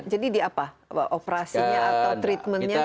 jadi di apa operasinya atau treatmentnya